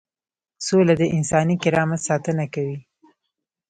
سوله د انساني کرامت ساتنه کوي.